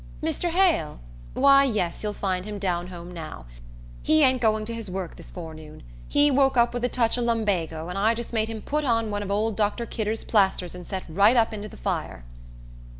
"Mr. Hale? Why, yes, you'll find him down home now. He ain't going to his work this forenoon. He woke up with a touch o' lumbago, and I just made him put on one of old Dr. Kidder's plasters and set right up into the fire."